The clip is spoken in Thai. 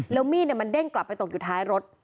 แล้วมีดเต้งกลับไปตรงไว้ท้ายรถ